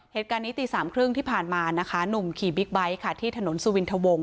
เหตุการณ์นี้ตีสามครึ่งที่ผ่านมานะคะหนุ่มขี่บิ๊กไบท์ค่ะที่ถนนสุวินทวง